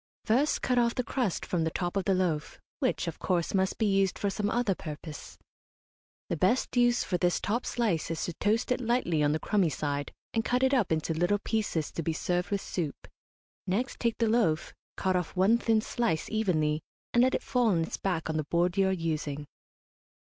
First cut off the crust from the top of the loaf, which, of course, must be used for some other purpose. The best use for this top slice is to toast it lightly on the crumby side, and cut it up into little pieces to be served with soup. Next take the loaf, cut off one thin slice, evenly, and let it fall on its back on the board you are using.